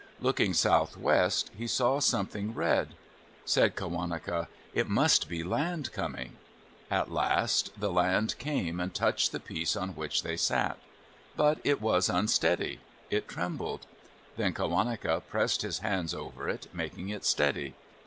Looking southwest, he saw something red. Said Qawaneca :" It must be land coming." At last the land came and touched the piece on which they sat. But it was unsteady. It trembled. Then Qawaneca pressed his hands over it, making it steady.